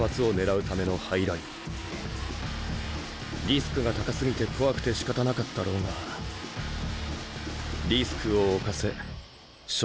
リスクが高すぎて怖くてしかたなかったろうが「リスクを冒せ」初志貫徹。